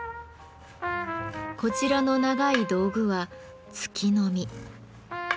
こちらの長い道具は「突きのみ」。